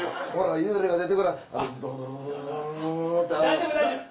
大丈夫大丈夫！